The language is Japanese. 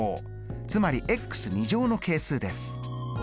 つまりの係数です。